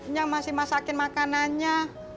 nya masih masakin makanannya